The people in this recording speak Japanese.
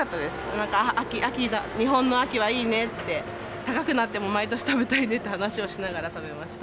なんか秋、日本の秋はいいねって、高くなっても毎年食べたいねっていう話をしながら食べました。